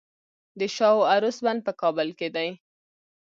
د شاه و عروس بند په کابل کې دی